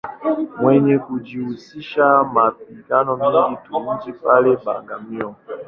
Mwenye kujihusisha ma mipango mingi tu mjini pale, Bagamoyo.